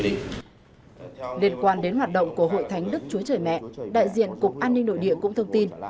liên quan đến hoạt động của hội thánh đức chúa trời mẹ đại diện cục an ninh nội địa cũng thông tin